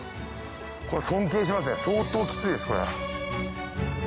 これ尊敬しますね相当キツいですこれ。